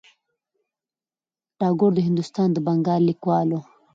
ټاګور د هندوستان د بنګال لیکوال و.